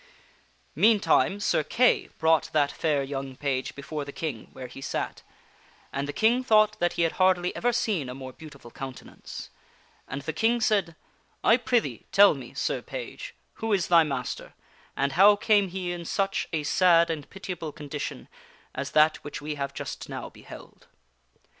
Meantime, Sir Kay brought that fair young page before the King; where he sat, and the King thought that he had hardly ever seen a more beautiful countenance. And the King said, " I prithee tell me, Sir Page, who is thy master, and how came he in such a sad and pitiable condition as that which we have just now beheld."